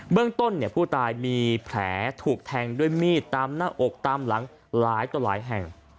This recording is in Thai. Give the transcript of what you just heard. เมืองต้นผู้ตายมีแผลถูกแทงด้วยมีดตามหน้าอกตามหลังหลายต่อหลายแห่ง